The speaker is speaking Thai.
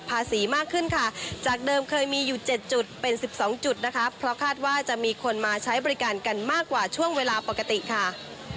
เป็นเวลาปกติค่ะ